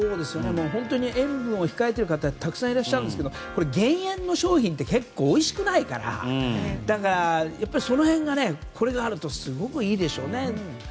本当に塩分を控えている方たくさんいらっしゃるんですけど減塩の商品って結構おいしくないからだから、その辺でこれがあると体にもすごくいいでしょうね。